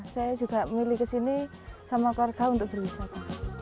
saya juga memilih kesini sama keluarga untuk berwisata